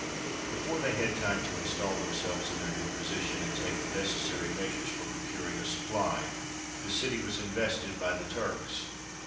] Before they had time to instal themselves in their new position, and take the necessary measures for procuring a supply, the city was invested by the Turks.